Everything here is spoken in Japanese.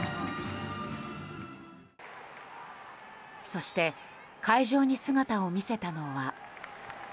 そして会場に姿を見せたのは。